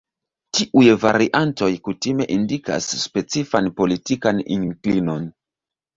Tiuj variantoj kutime indikas specifan politikan inklinon.